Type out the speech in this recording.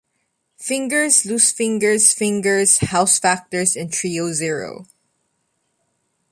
Fingers, Loosefingers, Fingers, House Factors, and Trio Zero.